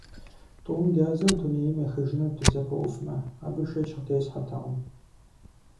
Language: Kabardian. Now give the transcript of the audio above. ТӀум дязыр дунейм ехыжынут дызэпэувмэ – абы шэч къытесхьэртэкъым.